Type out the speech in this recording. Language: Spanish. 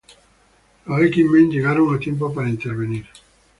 Los X-Men llegaron a tiempo para intervenir.